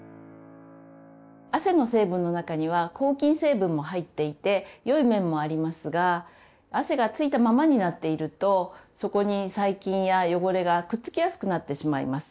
汗の成分の中には抗菌成分も入っていてよい面もありますが汗が付いたままになっているとそこに細菌や汚れがくっつきやすくなってしまいます。